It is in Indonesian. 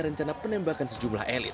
rencana penembakan sejumlah elit